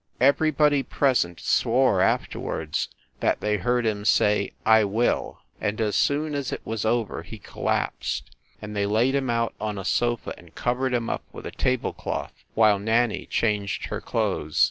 Everybody present swore, afterwards, that they heard him say "I will." And as soon as it was over he collapsed and they laid him out on a sofa and covered him up with a table cloth, while Nanny changed her clothes.